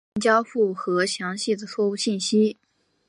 表面交互和详细的错误信息。